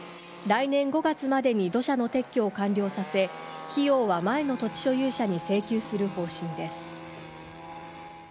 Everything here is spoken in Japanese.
来年５月までに土砂の撤去を完了させ、費用は前の土地所有者に請求する方針です。